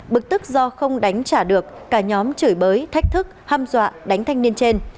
bực tức do không đánh trả được cả nhóm chửi bới thách thức ham dọa đánh thanh niên trên